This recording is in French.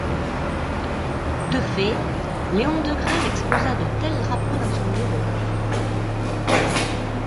De fait, Léon Degrelle exposa de tels drapeaux dans son bureau.